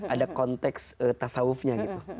ada konteks tasawufnya gitu